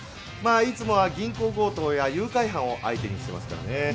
まあいつもは銀行強盗や誘拐犯を相手にしてますからね。